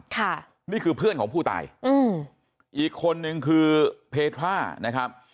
ค่ะนี่คือเพื่อนของผู้ตายอืมอีกคนนึงคือเพทรานะครับ